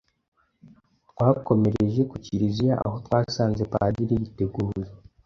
Twakomereje ku kiriziya aho twasanze Padiri yiteguye